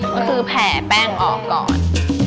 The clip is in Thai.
ก็คือแผ่แป้งออกก่อน